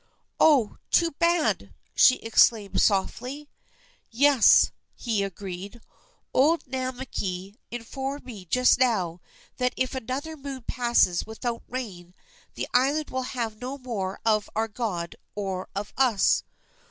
"Oh, too bad!" she exclaimed softly. "Yes," he agreed. "Old Namakei informed me just now that if another moon passes without rain the island will have no more of our God or of us."